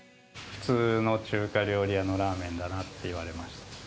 普通の中華料理屋のラーメンだなって言われました。